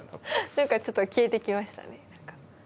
ちょっと消えてきましたね